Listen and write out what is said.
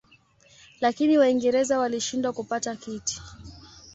Lakini Waingereza walishindwa kupata kiti.